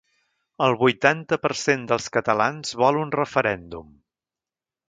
El vuitanta per cent dels catalans vol un referèndum.